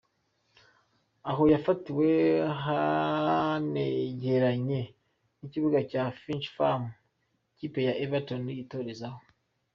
Aho yafatiwe hanegeranye n’ikibuga cya Finch Farm ikipe ya Everton yitorezaho.